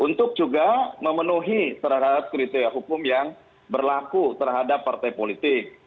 untuk juga memenuhi terhadap kriteria hukum yang berlaku terhadap partai politik